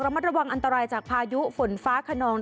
มัดระวังอันตรายจากพายุฝนฟ้าขนอง